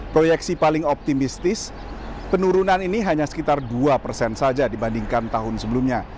proyeksi paling optimistis penurunan ini hanya sekitar dua persen saja dibandingkan tahun sebelumnya